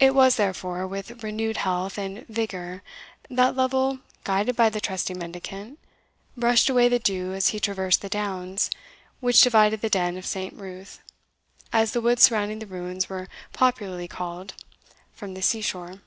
It was, therefore, with renewed health and vigour that Lovel, guided by the trusty mendicant, brushed away the dew as he traversed the downs which divided the Den of St. Ruth, as the woods surrounding the ruins were popularly called, from the sea shore.